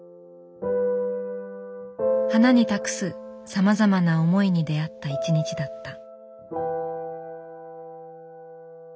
花に託すさまざまな思いに出会った一日だった。